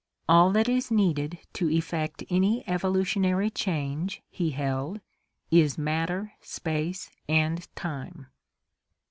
All that is needed to effect any evolutionary change, he held, is matter, space, and time.